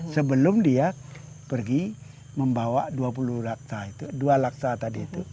sebelum dia pergi membawa dua laksa tadi itu